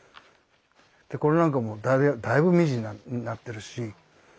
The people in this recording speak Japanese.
でこれなんかもだいぶミニになってるし。